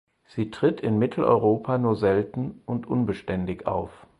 Sie tritt in Mitteleuropa nur selten und unbeständig auf.